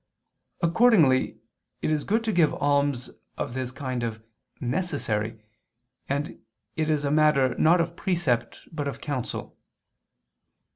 Accordingly it is good to give alms of this kind of "necessary"; and it is a matter not of precept but of counsel.